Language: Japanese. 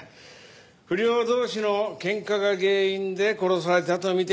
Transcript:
不良同士の喧嘩が原因で殺されたと見ていたんですが。